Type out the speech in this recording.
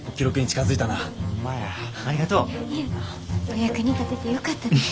お役に立ててよかったです。